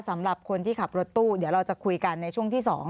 สำหรับคนที่ขับรถตู้เดี๋ยวเราจะคุยกันในช่วงที่๒